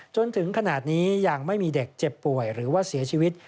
จนถึงขนาดนี้ยังไม่มีเด็กเจ็บป่วยหรือว่าเสียชีวิต